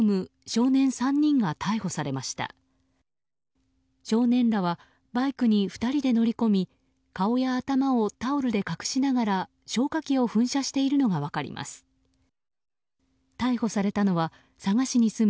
少年らはバイクに２人で乗り込み顔や頭をタオルで隠しながら消火器を噴射しているのが分かります。